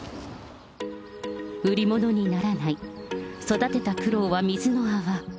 売り物にならない、育てた苦労は水の泡。